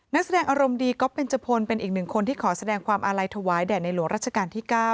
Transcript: นักแสดงอารมณ์ดีก๊อฟเบนจพลเป็นอีกหนึ่งคนที่ขอแสดงความอาลัยถวายแด่ในหลวงรัชกาลที่๙